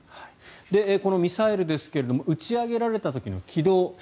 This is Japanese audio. このミサイルですが打ち上げられた時の軌道